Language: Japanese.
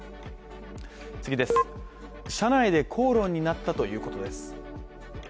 次です、車内で口論になったということです。